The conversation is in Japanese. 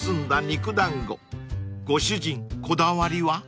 ［ご主人こだわりは？］